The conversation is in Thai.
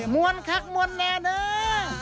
มวลคักมวลแน่เด้อ